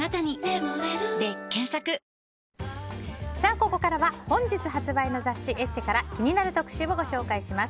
ここからは本日発売の雑誌「ＥＳＳＥ」から気になる特集をご紹介します。